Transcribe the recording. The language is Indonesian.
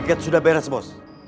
target sudah beres bos